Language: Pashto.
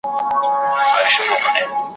نه ملخ نه یې تر خوله خوږه دانه سوه ,